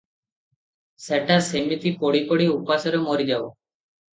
ସେଟା ସିମିତି ପଡ଼ି ପଡ଼ି ଉପାସରେ ମରି ଯାଉ ।